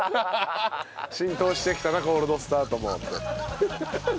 「浸透してきたなコールドスタートも」って。